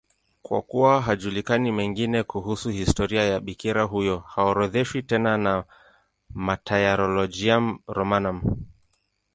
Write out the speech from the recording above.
Kwa kuwa hayajulikani mengine kuhusu historia ya bikira huyo, haorodheshwi tena na Martyrologium Romanum.